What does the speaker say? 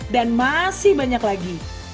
dan masih banyak lagi